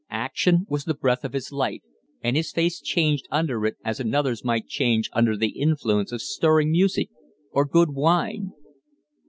Action was the breath of his life, and his face changed under it as another's might change under the influence of stirring music or good wine.